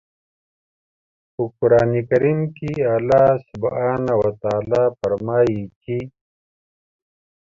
په قرآن کریم کې الله سبحانه وتعالی فرمايي چې